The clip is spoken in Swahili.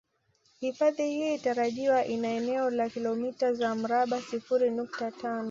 Hifadhi hii tarajiwa ina eneo la kilomita za mraba sifuri nukta tano